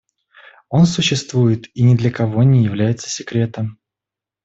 Он существует и ни для кого не является секретом.